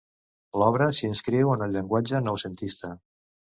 L'obra s'inscriu en el llenguatge noucentista.